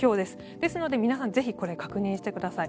ですので、皆さんぜひこれ、確認してください。